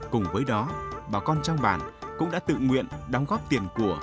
cùng với đó bà con trong bản cũng đã tự nguyện đóng góp tiền của